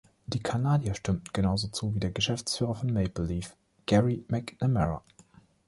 Die Kanadier stimmten genauso zu, wie der Geschäftsführer von Maple Leaf, Gerry McNamara.